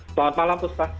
selamat malam puska